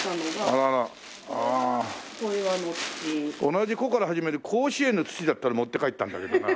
同じ「こ」から始める甲子園の土だったら持って帰ったんだけどな。